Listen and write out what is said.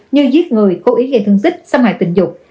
như giết người cố ý gây thương tích xâm hại tình dục